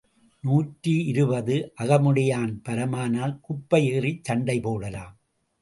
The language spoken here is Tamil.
நூற்றி இருபது அகமுடையான் பலமானால் குப்பை ஏறிச் சண்டை போடலாம்.